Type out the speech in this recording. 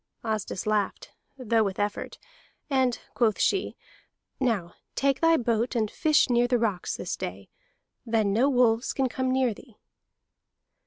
Asdis laughed, though with effort, and quoth she: "Now take thy boat and fish near the rocks this day. Then no wolves can come near thee."